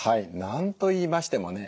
何と言いましてもね